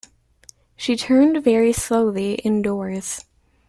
She turned very slowly indoors.